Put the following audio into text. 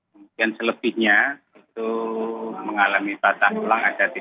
kemudian selebihnya itu mengalami patah tulang ada tiga puluh